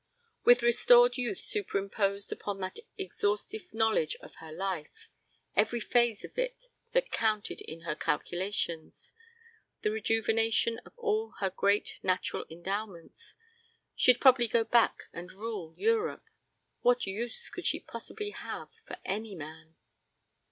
With restored youth superimposed upon that exhaustive knowledge of life every phase of it that counted in her calculations the rejuvenation of all her great natural endowments, she'd probably go back and rule Europe! What use could she possibly have for any man?